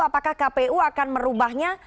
apakah kpu akan merubahnya